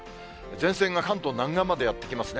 前線が関東南岸までやって来ますね。